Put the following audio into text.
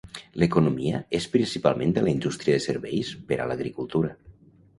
L'economia és principalment de la indústria de serveis per a l'agricultura.